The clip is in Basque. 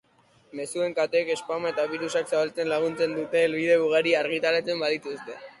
Mezuen kateek spama eta birusak zabaltzen laguntzen dute, helbide ugari argitaratzen baitituzte.